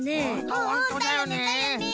うんうんだよねだよね。